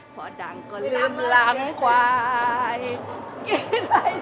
พอดังก็ลื่มล้ำไขว